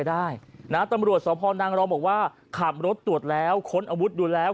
ได้นะตำรวจสพนางรองบอกว่าขับรถตรวจแล้วค้นอาวุธดูแล้ว